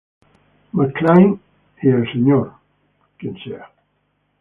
MacLaine y Mr.